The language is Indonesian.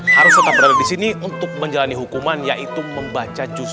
harus tetap berada disini untuk menjalani hukuman yaitu membaca cus tiga puluh